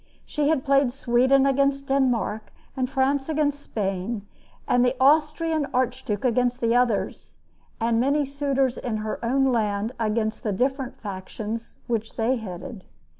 She had played Sweden against Denmark, and France against Spain, and the Austrian archduke against the others, and many suitors in her own land against the different factions which they headed.